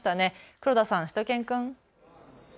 黒田さん、しゅと犬くん。